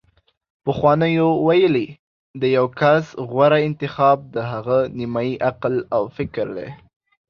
پخوانیو ویلي: د یو کس غوره انتخاب د هغه نیمايي عقل او فکر دی